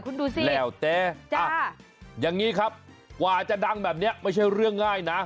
คุณดูสิแล้วแต่อย่างนี้ครับกว่าจะดังแบบนี้ไม่ใช่เรื่องง่ายนะ